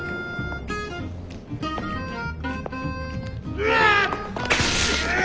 うわっ！